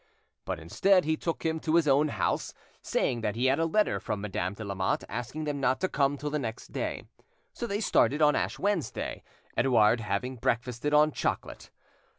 But, instead, he took him to his own house, saying that he had a letter from Madame de Lamotte asking them not to come till the next day; so they started on Ash Wednesday, Edouard having breakfasted on chocolate.